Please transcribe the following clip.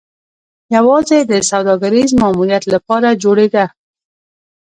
یوازې د سوداګریز ماموریت لپاره جوړېده.